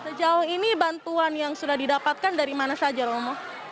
sejauh ini bantuan yang sudah didapatkan dari mana saja romo